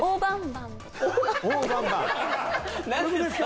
何ですか？